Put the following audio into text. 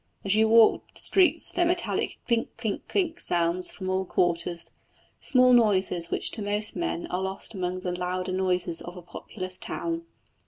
As you walk the streets their metallic clink clink clink sounds from all quarters small noises which to most men are lost among the louder noises of a populous town.